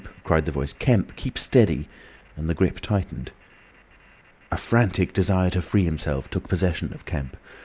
cried the Voice. "Kemp! Keep steady!" and the grip tightened. A frantic desire to free himself took possession of Kemp.